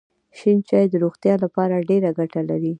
شین چای د روغتیا لپاره ډېره ګټه لري.